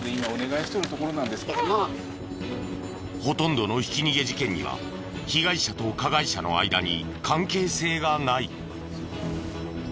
ほとんどのひき逃げ事件には被害者と加害者の間に関係性がない。